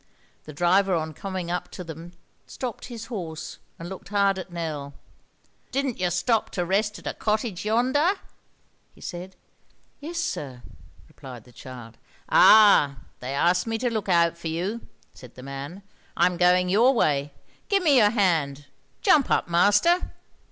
The driver on coming up to them stopped his horse and looked hard at Nell. "Didn't you stop to rest at a cottage yonder?" he said. "Yes, sir," replied the child. "Ah! they asked me to look out for you," said the man. "I'm going your way. Give me your hand; jump up, master."